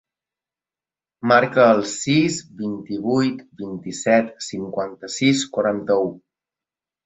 Marca el sis, vint-i-vuit, vint-i-set, cinquanta-sis, quaranta-u.